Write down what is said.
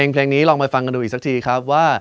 เพลงนี้ลองไปฟังกันดูอีกสักทีครับว่า